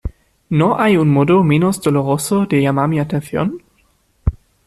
¿ No hay un modo menos doloroso de llamar mi atención?